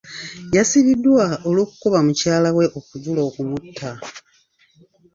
Yasibiddwa olw'okukuba mukyala we okujula okumutta.